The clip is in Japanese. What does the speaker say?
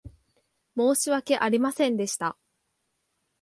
申し訳ありませんでした。